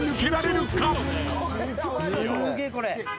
すげえこれ。